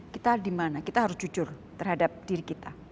kita dimana kita harus jujur terhadap diri kita